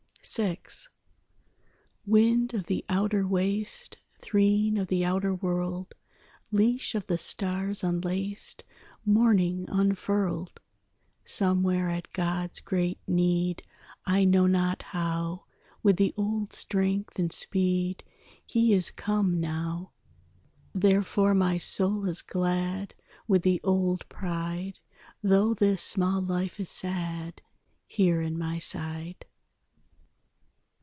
VI Wind of the outer waste, Threne of the outer world, Leash of the stars unlaced, Morning unfurled, Somewhere at God's great need, I know not how, With the old strength and speed He is come now; Therefore my soul is glad With the old pride, Tho' this small life is sad Here in my side.